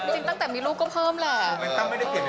ตั้งแต่มีลูกก็เพิ่มแหละ